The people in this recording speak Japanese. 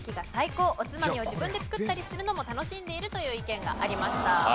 おつまみを自分で作ったりするのも楽しんでいるという意見がありました。